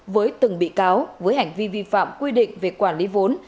với từng bị cáo với hành vi vi phạm quy định về quản lý vốn